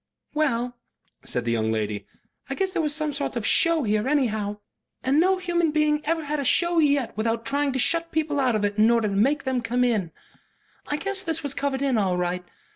"Well," said the young lady, "I guess there was some sort of show here anyhow. And no human being ever had a show yet without trying to shut people out of it in order to make them come in. I guess this was covered in all right.